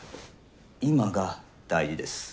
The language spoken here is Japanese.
今が大事です。